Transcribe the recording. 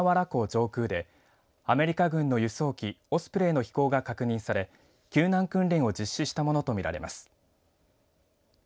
上空でアメリカ軍の輸送機オスプレイの飛行が確認され救難訓練を実施したものと見られます。